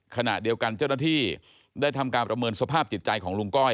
ขณะเดียวกันเจ้าหน้าที่ได้ทำการประเมินสภาพจิตใจของลุงก้อย